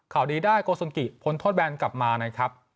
ข่าวดีได้โกสุนกิพ้นโทษแบนกลับมานะครับ